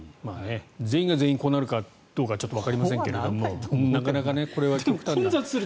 全員が全員こうなるかどうかはわかりませんがなかなかこれは極端な。